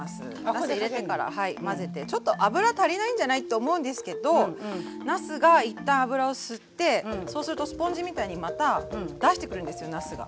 なす入れてから混ぜてちょっと油足りないんじゃない？と思うんですけどなすが一旦油を吸ってそうするとスポンジみたいにまた出してくるんですよなすが。